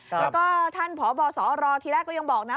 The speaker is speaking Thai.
แล้วก็ท่านพบสรทีแรกก็ยังบอกนะ